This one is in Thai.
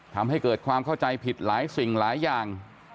ทำให้เกิดความเข้าใจผิดหลายสิ่งหลายอย่าง